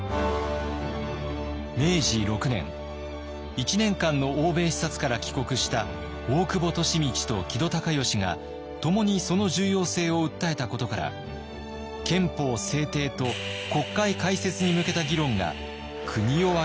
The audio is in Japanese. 明治６年１年間の欧米視察から帰国した大久保利通と木戸孝允がともにその重要性を訴えたことから憲法制定と国会開設に向けた議論が国を挙げて巻き起こります。